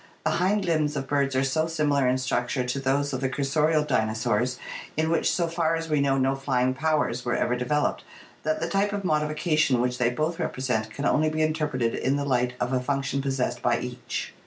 The hind limbs of birds are so similar in structure to those of the cursorial dinosaurs, in which so far as we know no flying powers were ever developed, that the type of modification which they both represent can only be interpreted in the light of a function possessed by each.